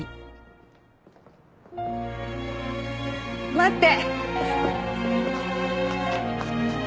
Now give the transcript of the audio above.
待って！